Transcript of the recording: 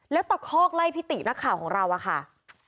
แล้วตะคอกไล่พิตินักข่าวของเราอะค่ะ